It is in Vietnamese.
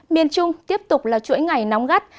miền trung tiếp tục là chuỗi ngày nóng gắt